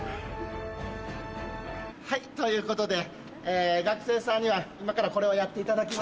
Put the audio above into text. はいということで学生さんには今からこれをやっていただきます。